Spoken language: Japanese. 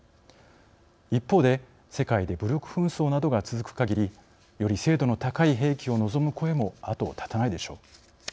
一方で、世界で武力紛争などが続くかぎりより精度の高い兵器を望む声も後を絶たないでしょう。